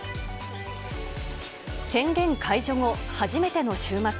宣言解除後、初めての週末。